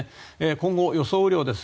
今後、予想雨量です。